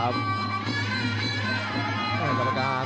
พยายาม